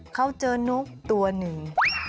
เขาเจอนกตัวหนึ่ง